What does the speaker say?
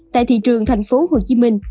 tại thị trường thành phố hồ chí minh